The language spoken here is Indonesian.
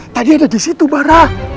tadi ada disitu barah